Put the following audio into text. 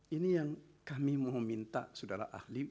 ini yang kami mau minta saudara ahli